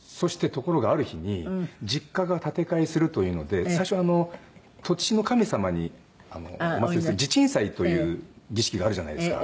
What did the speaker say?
そしてところがある日に実家が建て替えするというので最初土地の神様にお祭りする地鎮祭という儀式があるじゃないですか。